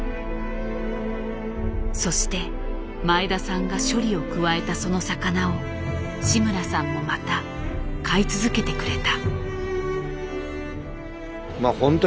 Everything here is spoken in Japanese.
そして前田さんが処理を加えたその魚を志村さんもまた買い続けてくれた。